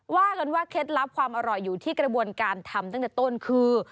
ว่ากันว่าเคล็ดลับความอร่อยอยู่ที่กระบวนการทำตั้งแต่ต้นคือ